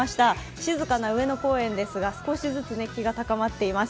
静かな上野公園ですが、少しずつ熱気が高まっています。